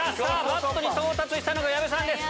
バットに到達したのが矢部さんです。